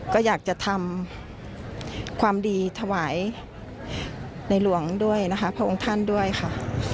ก็อยากจะทำความดีถวายในหลวงด้วยนะคะพระองค์ท่านด้วยค่ะ